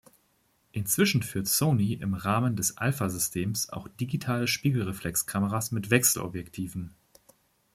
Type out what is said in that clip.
Inzwischen führt Sony im Rahmen des Alpha-Systems auch digitale Spiegelreflexkameras mit Wechselobjektiven.